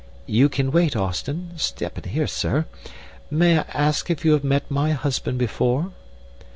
"You can wait, Austin. Step in here, sir. May I ask if you have met my husband before?"